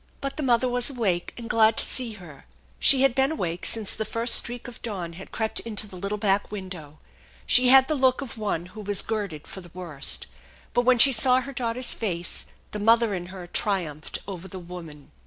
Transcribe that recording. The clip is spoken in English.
But the mother was awake and glad to see her. She had been awake since the first streak of dawn had crept into the little back window. She had the look of one who was girded for the worst. But, when she saw her daughter's face, the mother in her triumphed over the woman.